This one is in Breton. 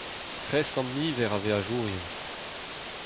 Kresk an niver a veajourien.